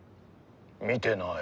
見てない。